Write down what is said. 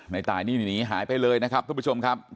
ในตายนี่หนีหายไปเลยนะครับทุกผู้ชมครับ